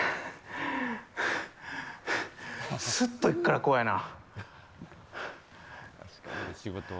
スッと行くから怖いな。